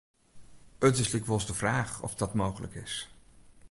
It is lykwols de fraach oft dat mooglik is.